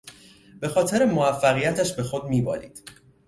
به خاطر موفقیتش به خود میبالید.